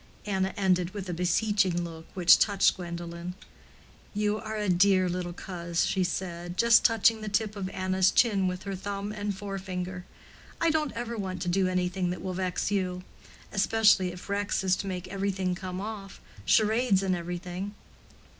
Anna ended with a beseeching look which touched Gwendolen. "You are a dear little coz," she said, just touching the tip of Anna's chin with her thumb and forefinger. "I don't ever want to do anything that will vex you. Especially if Rex is to make everything come off—charades and everything."